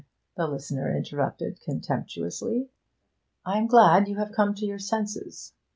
the listener interrupted contemptuously. 'I am glad you have come to your senses.